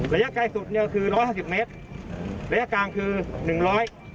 ระยะไกลสุดคือ๑๕๐เมตรระยะกลางคือ๑๐๐เมตร